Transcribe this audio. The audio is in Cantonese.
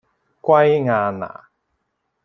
圭亞那